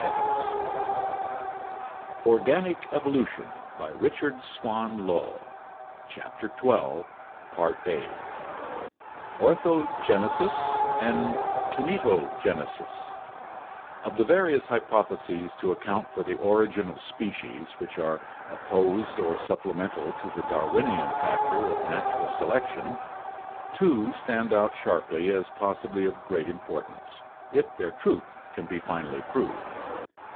Thomson, J. A., The Wonder of Life, 19 14. CHAPTER XII ORTHOGENESIS AND KlNETOGENESIS Of the various hypotheses to account for the origin of species which are opposed or supplemental to the Darwinian factor of natural selection, two stand out sharply as possibly of great im portance, if their truth can be finally proved.